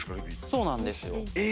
そうなんですよ。